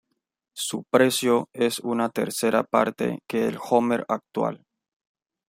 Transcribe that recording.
Su precio es una tercera parte que el Hummer actual.